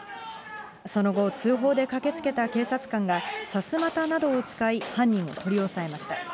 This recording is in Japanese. その後、通報で駆けつけた警察官が、さすまたなどを使い犯人を取り押さえました。